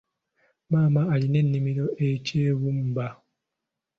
Maama alina ennimiro e Kyebbumba.